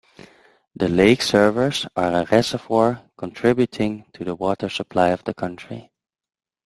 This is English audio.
The lake serves as a reservoir contributing to the water supply of the country.